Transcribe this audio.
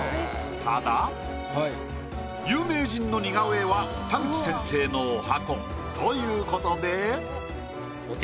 ただ有名人の似顔絵は田口先生の十八番。ということで。